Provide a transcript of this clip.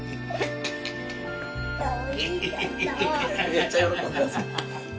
めっちゃ喜んでますよ。